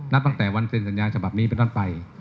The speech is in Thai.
นับตั้งแต่วันเซ็นสัญญาฉบับนี้เป็นต้นไป